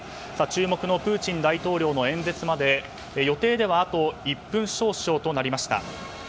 注目のプーチン大統領の演説まで予定ではあと１分少々となりました。